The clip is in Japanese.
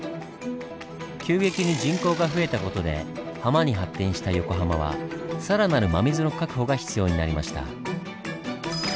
急激に人口が増えた事でハマに発展した横浜は更なる真水の確保が必要になりました。